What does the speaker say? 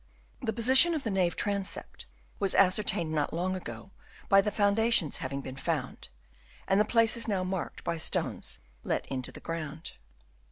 The position of the nave transept was ascertained not long ago by the foundations having been found ; and the place is now marked by stones let into the ground.